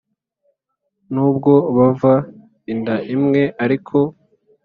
nubwo bava inda imwe ariko,